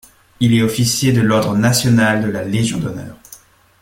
Il est Officier de l'Ordre national de la Légion d'honneur.